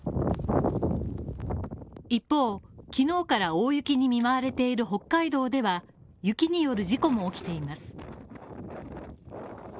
一方、昨日から大雪に見舞われている北海道では、雪による事故も起きています